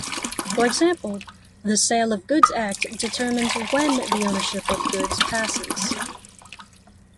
For example, the Sale of Goods Act determines when the ownership of goods passes.